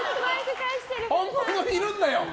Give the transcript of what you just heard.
本物いるんだよ！